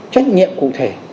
trách nhiệm cụ thể